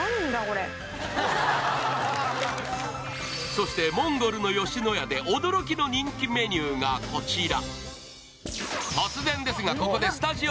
そしてモンゴルの吉野家で驚きの人気メニューがこちら。